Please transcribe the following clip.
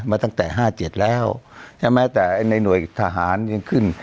มาตั้งแต่ห้าเจ็ดแล้วยังแม้แต่ในหน่วยทหารยังขึ้น